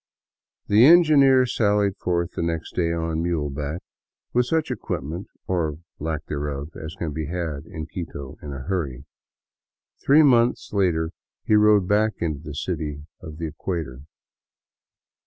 '' The engineer sallied forth next day on muleback, with such equip ment or lack thereof as can be had in Quito in a hurry. Three months later he rode back into the city of the equator.